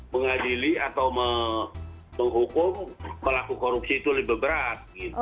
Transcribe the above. mengadili atau menghukum pelaku korupsi itu lebih berat